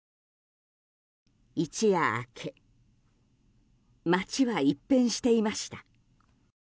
一夜明け町は一変していました。